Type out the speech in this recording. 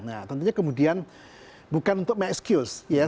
nah tentunya kemudian bukan untuk mengekses ya